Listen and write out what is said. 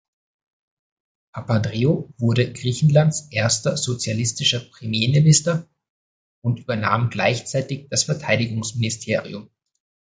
Papandreou wurde Griechenlands erster sozialistischer Premierminister und übernahm gleichzeitig das Verteidigungsministerium.